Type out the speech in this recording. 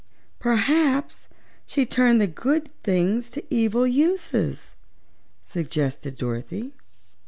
"Perhaps she turned the good things to evil uses?" suggested Dorothy.